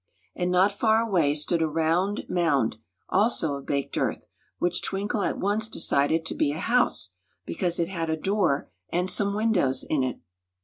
And not far away stood a round mound, also of baked earth, which Twinkle at once decided to be a house, because it had a door and some windows in it.